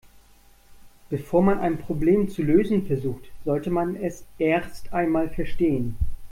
Bevor man ein Problem zu lösen versucht, sollte man es erst einmal verstehen.